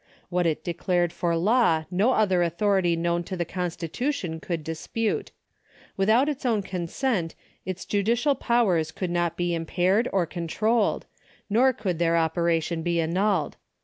What it declared for law no other authority known to the constitution could dispute. Without its own consent its judicial i)Owers could not be impaired or controlled, nor coixld their operation be annulled.